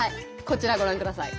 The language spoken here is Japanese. こちらご覧ください。